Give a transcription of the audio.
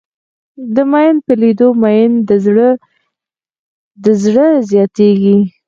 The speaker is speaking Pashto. د ميئن په لېدو د ميئن د زړه درزه زياتېږي.